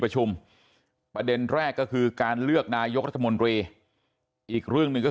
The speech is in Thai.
ประเด็นแรกก็คือการเลือกนายกรัฐมนตรีอีกเรื่องหนึ่งก็คือ